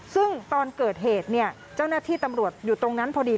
ซึ่งตอนเกิดเหตุเนี่ยเจ้าหน้าที่ตำรวจอยู่ตรงนั้นพอดี